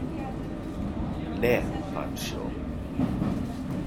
Ne, paĉjo.